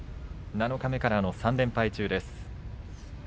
七日目から３連敗中です。